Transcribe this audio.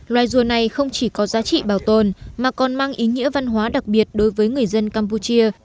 loài rùa này không chỉ có giá trị bảo tồn mà còn mang ý nghĩa văn hóa đặc biệt đối với người dân campuchia